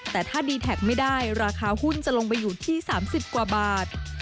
แต่ถ้าดีแท็กไม่ได้ราคาหุ้นจะลงไปอยู่ที่๓๐กว่าบาท